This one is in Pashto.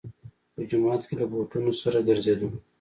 په جومات کې له بوټونو سره ګرځېدلو.